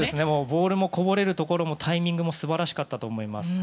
ボールのこぼれるところのタイミングも素晴らしかったと思います。